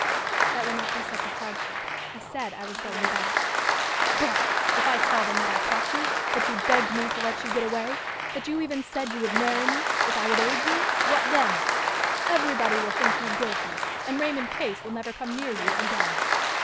"That will not be such a hardship. I said I was going back." "Bah! If I tell them that I caught you, that you begged me to let you get away that you even said you would marry me, if I would aid you, what then? Everybody will think you guilty, and Raymond Case will never come near you again."